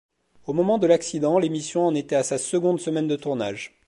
Au moment de l'accident, l'émission en était à sa seconde semaine de tournage.